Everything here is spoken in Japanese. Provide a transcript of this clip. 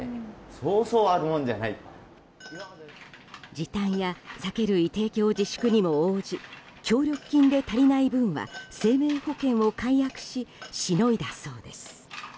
時短や酒類提供自粛にも応じ協力金で足りない分は生命保険を解約ししのいだそうです。